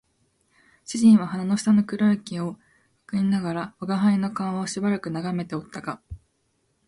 主人は鼻の下の黒い毛を撚りながら吾輩の顔をしばらく眺めておったが、